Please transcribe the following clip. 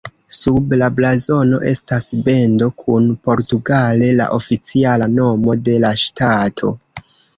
Sub la blazono estas bendo kun portugale la oficiala nomo de la ŝtato.